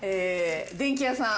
電気屋さん。